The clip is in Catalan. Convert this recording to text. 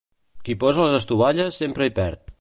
Qui posa les estovalles sempre hi perd.